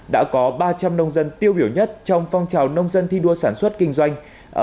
đã có ba trăm linh nông dân tiêu biểu nhất trong phong trào nông dân thi đua sản xuất kinh doanh